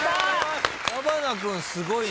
矢花君すごいね。